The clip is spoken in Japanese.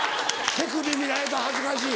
手首見られたら恥ずかしい。